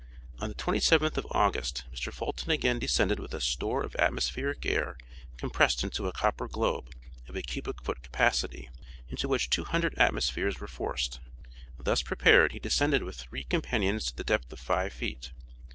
On the 27th of August Mr. Fulton again descended with a store of atmospheric air compressed into a copper globe, of a cubic foot capacity, into which two hundred atmospheres were forced. Thus prepared he descended with three companions to the depth of five feet.